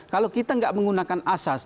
kalau kita tidak menggunakan asas